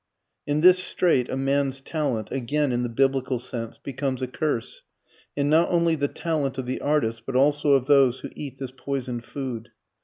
In this strait a man's talent (again in the biblical sense) becomes a curse and not only the talent of the artist, but also of those who eat this poisoned food.